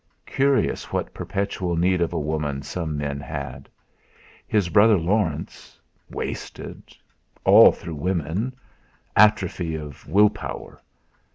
Curious what perpetual need of a woman some men had! His brother Laurence wasted all through women atrophy of willpower!